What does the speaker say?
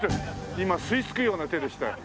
今吸いつくような手でした。